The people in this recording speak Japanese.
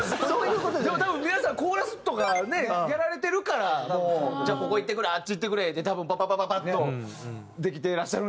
でも多分皆さんコーラスとかねやられてるからじゃあここいってくれあっちいってくれって多分パパパパパッとできてらっしゃるんやと。